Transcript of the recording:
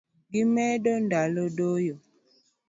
Gimedo ndalo doyo